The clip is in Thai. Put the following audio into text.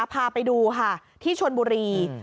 พาไปดูค่ะที่ชนบุรี